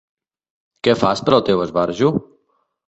Què fas per al teu esbarjo?